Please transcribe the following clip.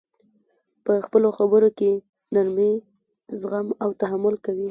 په خپلو خبر کي نرمي، زغم او تحمل کوئ!